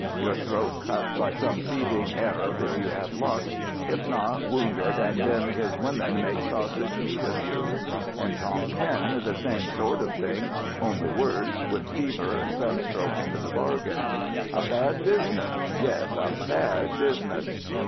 Your throat cut by some thieving Arab if you have luck; if not, wounded, and then his women make sausage meat of you. In Tonquin the same sort of thing only worse, with fever and sunstroke into the bargain. A bad business! yes, a bad business!"